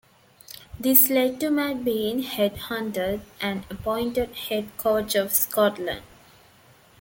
This led to Matt being "head hunted" and appointed Head Coach of Scotland.